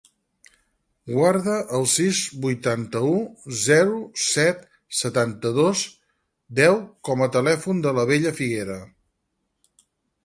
Guarda el sis, vuitanta-u, zero, set, setanta-dos, deu com a telèfon de la Bella Figuera.